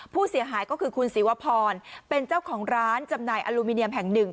ผู้เสียหายก็คือคุณศิวพรเป็นเจ้าของร้านจำหน่ายอลูมิเนียมแห่งหนึ่ง